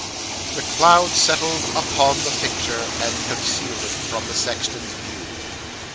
The cloud settled upon the picture, and concealed it from the sexton's view.